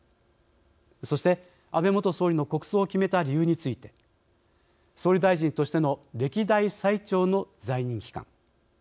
そして、安倍元総理の国葬を決めた理由について総理大臣としての歴代最長の在任期間。